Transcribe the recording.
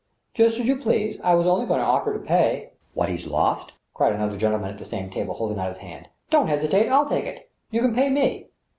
"Just as you please. ... I was only going to offer to pay —"^" What he's lost ?" cried another gentleman at the same table, holding out his hand. " Don't hesitate ; I'll take it. You can pay me."